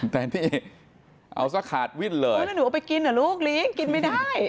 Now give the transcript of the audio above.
แต่นี่เอาสักขาดวิ่นเลยแล้วหนูเอาไปกินเหรอลูกเลี้ยงกินไม่ได้